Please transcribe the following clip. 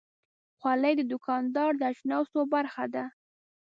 خولۍ د دوکاندار د اجناسو برخه ده.